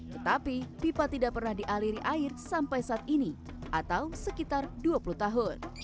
tetapi pipa tidak pernah dialiri air sampai saat ini atau sekitar dua puluh tahun